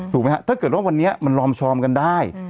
ไหมฮะถ้าเกิดว่าวันนี้มันลอมซอมกันได้